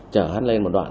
chở hắn lên một đoạn